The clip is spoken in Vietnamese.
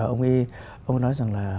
ông ấy nói rằng là